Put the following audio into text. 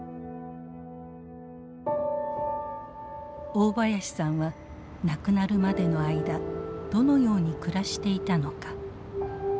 大林さんは亡くなるまでの間どのように暮らしていたのか。